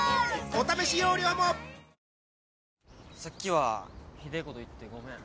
お試し容量もさっきはひでえこと言ってごめん。